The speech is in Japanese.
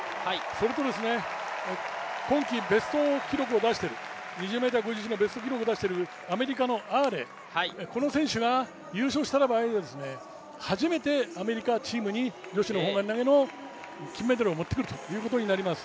それと、今季２０ｍ５０のベスト記録を出しているアメリカのアーレイ、この選手が優勝した場合は初めてアメリカチームに女子の砲丸投の金メダルを持ってくることになります。